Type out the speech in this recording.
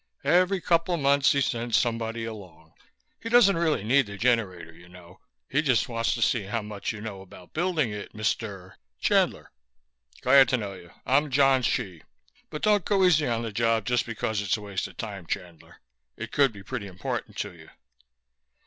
"Every couple months he sends somebody along. He doesn't really need the generator, you know. He just wants to see how much you know about building it, Mr. ?" "Chandler." "Glad to know you. I'm John Hsi. But don't go easy on the job just because it's a waste of time, Chandler; it could be pretty important to you."